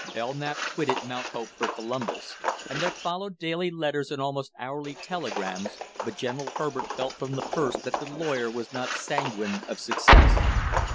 Belknap quitted Mount Hope for Columbus, and there followed daily letters and almost hourly telegrams, but General Herbert felt from the first that the lawyer was not sanguine of success.